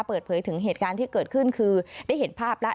เปิดเผยถึงเหตุการณ์ที่เกิดขึ้นคือได้เห็นภาพแล้ว